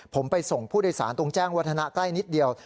ผมไปส่งผู้โดยสารตรงแจ้งวัฒนะใกล้นิดเดียว